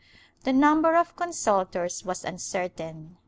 The number of consultors was uncertain.